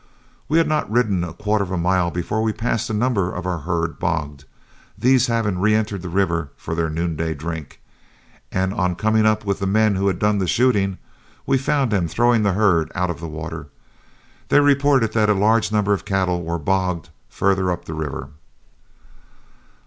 We had not ridden a quarter of a mile before we passed a number of our herd bogged, these having reëntered the river for their noonday drink, and on coming up with the men who had done the shooting, we found them throwing the herd out from the water. They reported that a large number of cattle were bogged farther up the river.